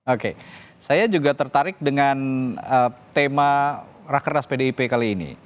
oke saya juga tertarik dengan tema rakernas pdip kali ini